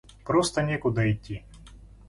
просто некуда идти.